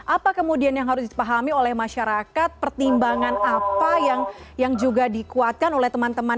apa kemudian yang harus dipahami oleh masyarakat pertimbangan apa yang juga dikuatkan oleh teman teman